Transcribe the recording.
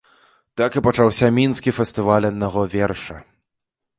Так і пачаўся мінскі фестываль аднаго верша.